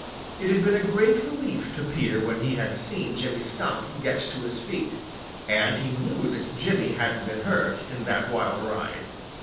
It had been a great relief to Peter when he had seen Jimmy Skunk get to his feet, and he knew that Jimmy hadn't been hurt in that wild ride.